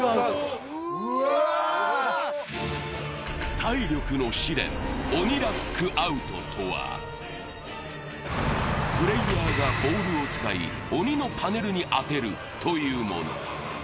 体力の試練、鬼ラックアウトとはプレーヤーがボールを使い、鬼のパネルに当てるというもの。